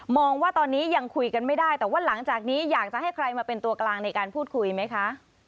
ว่าตอนนี้ยังคุยกันไม่ได้แต่ว่าหลังจากนี้อยากจะให้ใครมาเป็นตัวกลางในการพูดคุยไหมคะ